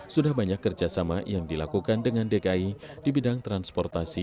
sudah banyak kerjasama yang dilakukan dengan dki di bidang transportasi